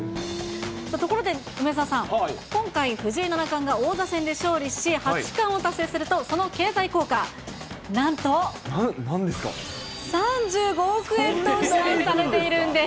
ところで梅澤さん、今回、藤井七冠が王座戦で勝利し、八冠を達成するとその経済効果、なんと３５億円と試算されているんです。